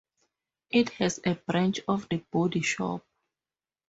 It has a branch of The Body Shop.